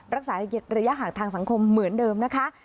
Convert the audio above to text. รักษาระยะห่างทางสังคมเหมือนเดิมนะคะ